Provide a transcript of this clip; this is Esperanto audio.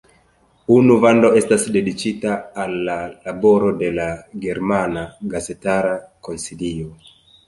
Unu vando estas dediĉita al la laboro de la Germana Gazetara Konsilio.